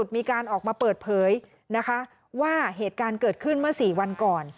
มีการออกมาเปิดเผยนะคะว่าเหตุการณ์เกิดขึ้นเมื่อ๔วันก่อน